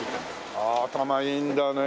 ああ頭いいんだねえ！